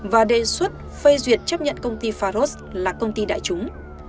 và đề xuất phê duyệt chấp nhận công ty faros là công ty đại chúng